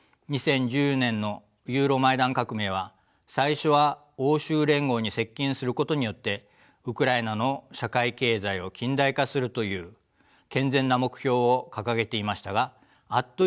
２０１４年のユーロマイダン革命は最初は欧州連合に接近することによってウクライナの社会経済を近代化するという健全な目標を掲げていましたがあっという間に暴力革命化しました。